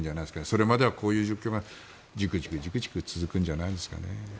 それまではこういう状況がジクジク、ジクジク続くんじゃないですかね。